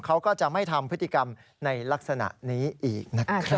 เขาก็จะไม่ทำพฤติกรรมในลักษณะนี้อีกนะครับ